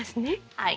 はい。